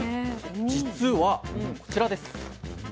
じつはこちらです。